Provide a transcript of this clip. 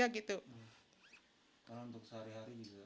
karena untuk sehari hari bisa